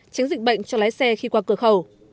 tránh dịch bệnh cho lái xe khi qua cửa khẩu